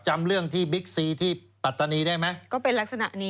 จำเรื่องที่บิ๊กซีที่ปัตตานีได้ไหมก็เป็นลักษณะนี้